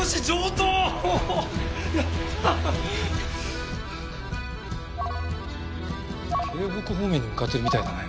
京北方面に向かってるみたいだね。